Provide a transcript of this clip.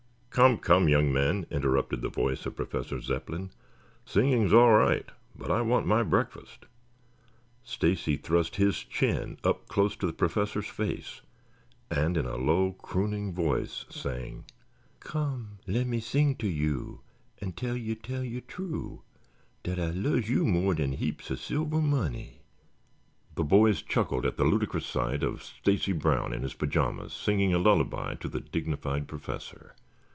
"Come, come, young men," interrupted the voice of Professor Zepplin. "Singing is all right, but I want my breakfast." Stacy thrust his chin up close to the Professor's face and in a low, crooning voice, sang, Come, lemme sing ter you, An' tell you, tell you true, Dat ah loves you mo' dan heaps er silver money. The boys chuckled at the ludicrous sight of Stacy Brown in his pajamas singing a lullaby to the dignified Professor.